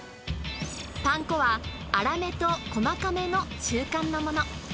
パン粉は、粗めと細かめの中間のもの。